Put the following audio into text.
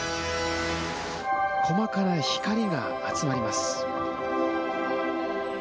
細かな光が集まります。